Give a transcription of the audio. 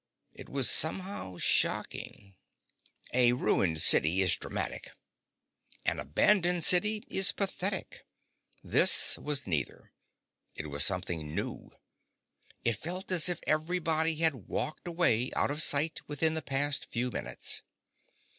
It was somehow shocking. A ruined city is dramatic. An abandoned city is pathetic. This was neither. It was something new. It felt as if everybody had walked away, out of sight, within the past few minutes.